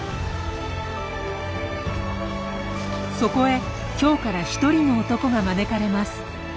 そこへ京から一人の男が招かれます。